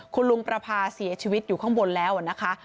คุณลุงประพาเสียชีวิตอยู่ข้างบนแล้วนะคะ